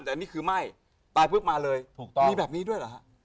ให้ขึ้นไหวตายพวกมาเลยถูกต้องแบบนี้ด้วยเหรอคะ